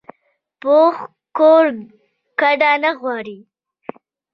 پوخ کور کډه نه غواړي